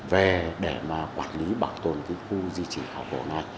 về để mà quản lý bảo tồn cái khu di trì khảo cổ này